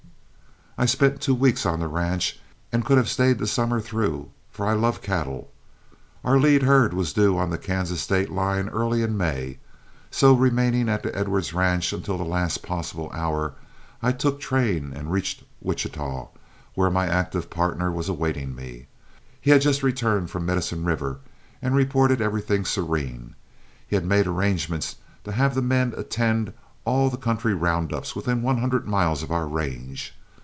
I spent two weeks on the ranch and could have stayed the summer through, for I love cattle. Our lead herd was due on the Kansas state line early in May, so remaining at the Edwards ranch until the last possible hour, I took train and reached Wichita, where my active partner was awaiting me. He had just returned from the Medicine River, and reported everything serene. He had made arrangements to have the men attend all the country round ups within one hundred miles of our range.